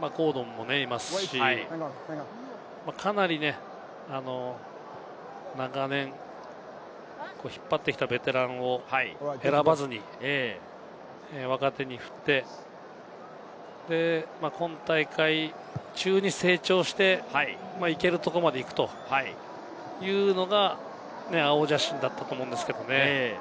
ゴードンもいますし、かなり長年引っ張ってきたベテランを選ばずに、若手に振って今大会中に成長していけるところまでいくというのが青写真だったと思うんですけれどもね。